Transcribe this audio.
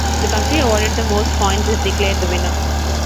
The country awarded the most points is declared the winner.